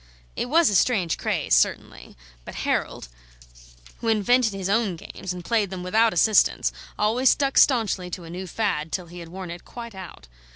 It was a strange craze, certainly; but Harold, who invented his own games and played them without assistance, always stuck staunchly to a new fad, till he had worn it quite out.